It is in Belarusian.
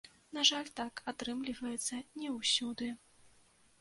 На жаль, так атрымліваецца не ўсюды.